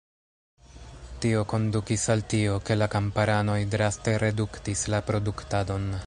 Tio kondukis al tio, ke la kamparanoj draste reduktis la produktadon.